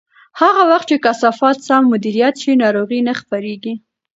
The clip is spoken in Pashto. هغه وخت چې کثافات سم مدیریت شي، ناروغۍ نه خپرېږي.